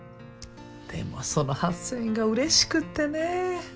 でもその８，０００円がうれしくってね。